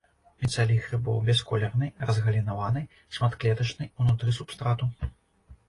Міцэлій грыбоў бясколерны, разгалінаваны, шматклетачны, унутры субстрату.